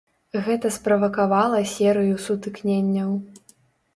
Гэта справакавала серыю сутыкненняў.